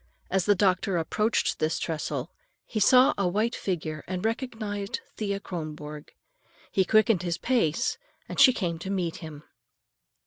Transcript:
As the doctor approached this trestle, he saw a white figure, and recognized Thea Kronborg. He quickened his pace and she came to meet him.